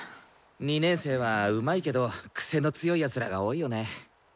２年生はうまいけど癖の強い奴らが多いよね。